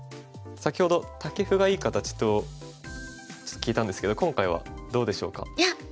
先ほどタケフがいい形と聞いたんですけど今回はどうでしょうか？